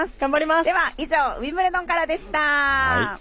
では以上ウィンブルドンからでした。